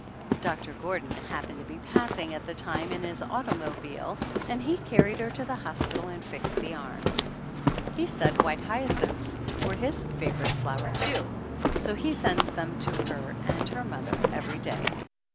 Doctor Gordon happened to be passing at the time in his automobile and he carried her to the hospital and fixed the arm. He said white hyacinths were his favorite flower, too, so he sends them to her and her mother every day.